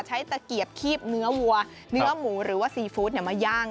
ตะเกียบคีบเนื้อวัวเนื้อหมูหรือว่าซีฟู้ดมาย่าง